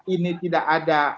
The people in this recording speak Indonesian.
ini tidak ada